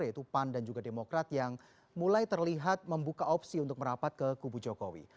yaitu pan dan juga demokrat yang mulai terlihat membuka opsi untuk merapat ke kubu jokowi